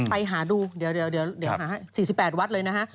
ไปดูเดี๋ยวหา๔๘วัดเลยนะฮะ